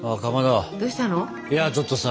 いやちょっとさ